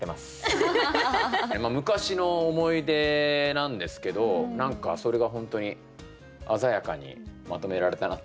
昔の思い出なんですけど何かそれが本当に鮮やかにまとめられたなって。